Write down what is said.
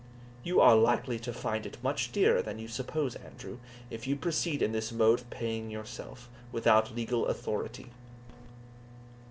"You are likely to find it much dearer than you suppose, Andrew, if you proceed in this mode of paying yourself, without legal authority."